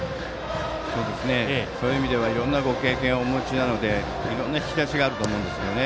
そういう意味ではいろんなご経験をお持ちなのでいろんな引き出しがあると思うんですね。